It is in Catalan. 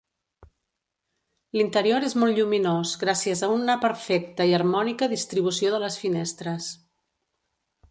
L'interior és molt lluminós gràcies a una perfecta i harmònica distribució de les finestres.